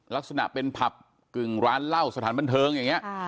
ลักษณะเป็นผับกึ่งร้านเหล้าสถานบันเทิงอย่างนี้